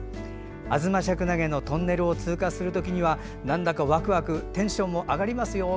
アズマシャクナゲのトンネルを通過する時にはなんだかワクワクテンションも上がりますよ。